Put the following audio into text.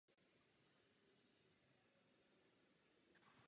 Vzniká při rozpouštění chloru ve vodě.